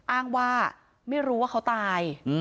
อ้างว่าไม่รู้ว่าเขาตาย